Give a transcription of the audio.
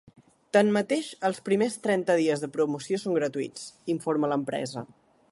Tanmateix, els primers trenta dies de promoció són gratuïts, informa l’empresa.